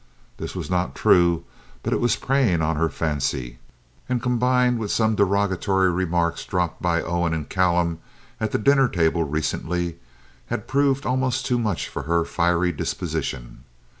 This was not true, but it was preying on her fancy, and combined with some derogatory remarks dropped by Owen and Callum at the dinner table recently, had proved almost too much for her fiery disposition.